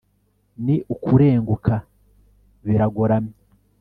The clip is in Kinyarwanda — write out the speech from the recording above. ni ukurenguka biragoramye